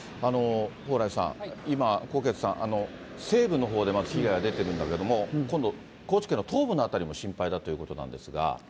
蓬莱さん、今、こうけつさん西部のほうでまず被害が出てるんだけれども、今度、高知県の東部の辺りも心配だということなんですが。